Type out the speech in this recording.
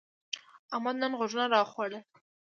احمد نن غوږونه راوخوړل.